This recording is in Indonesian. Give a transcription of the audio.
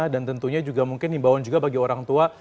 dan tentunya juga mungkin imbauan juga bagi orang tua